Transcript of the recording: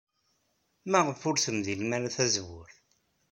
Maɣef ur tmeddlem ara tazewwut?